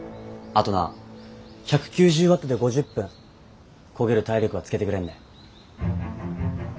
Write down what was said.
あとな１９０ワットで５０分こげる体力ばつけてくれんね。